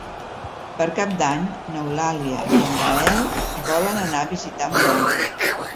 Per Cap d'Any n'Eulàlia i en Gaël volen anar a visitar mon oncle.